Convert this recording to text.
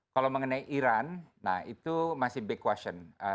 kalau mengenai iran nah itu masih back question